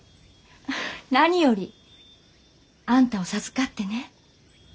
フフ何よりあんたを授かってね。